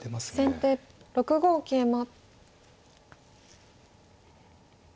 先手６五桂馬。